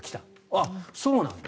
あ、そうなんだ。